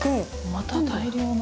また大量の。